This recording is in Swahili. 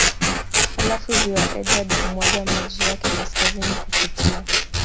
Halafu ziwa Edward humwaga maji yake kaskazini kupitia